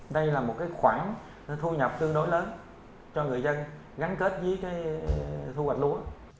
đây là một khoản thu nhập tương đối lớn cho người dân gắn kết với thu hoạch lúa